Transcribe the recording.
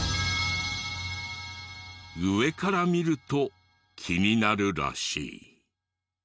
上から見ると気になるらしい。